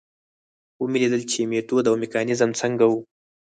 ومې لیدل چې میتود او میکانیزم څنګه و.